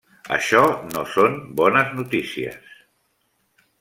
Això no són bones notícies.